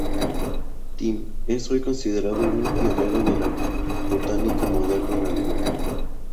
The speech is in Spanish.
Timm es hoy considerado un pionero de la botánica moderna en Alemania.